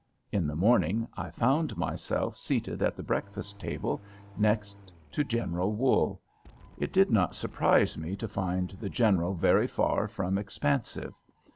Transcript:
In the morning, I found myself seated at the breakfast table next to General Wool. It did not surprise me to find the General very far from expansive.